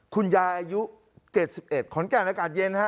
คุณยายอายุเจ็ดสิบเอ็ดขอนแก่นอากาศเย็นฮะ